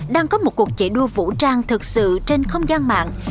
đang có một cuộc chạy đua vũ trang thực sự trên không gian mạng